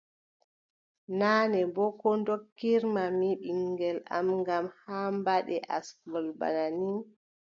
Naane boo, ko ndokkirma mi ɓiŋngel am ngam haa mbaɗen asngol bana nii.